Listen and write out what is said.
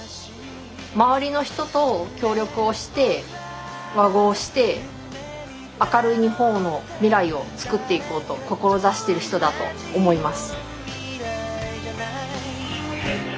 周りの人と協力をして和合して明るい日本の未来をつくっていこうと志してる人だと思います。